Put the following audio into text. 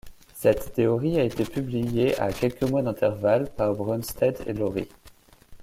Cette théorie a été publiée à quelques mois d'intervalle par Brønsted et Lowry.